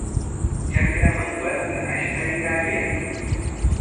Trakraman wanuta ashtaykaayan.